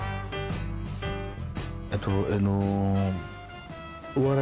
えっとあの。